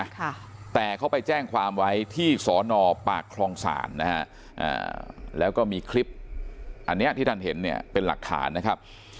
ค่ะแต่เขาไปแจ้งความไว้ที่สอนอปากคลองศาลนะฮะอ่าแล้วก็มีคลิปอันเนี้ยที่ท่านเห็นเนี่ยเป็นหลักฐานนะครับ